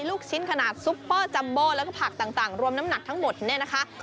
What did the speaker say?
ลูกชิ้นขนาดซุปเปอร์จัมโบแล้วก็ผักต่างรวมน้ำหนักทั้งหมดเนี่ยนะคะ